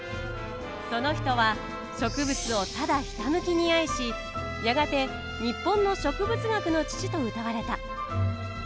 その人は植物をただひたむきに愛しやがて日本の植物学の父とうたわれた。